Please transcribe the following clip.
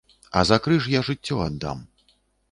А за крыж я жыццё аддам.